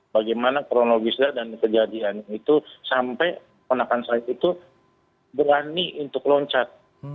bagaimana kronologisnya dan kejadian itu sampai anak anak saya itu berani untuk loncat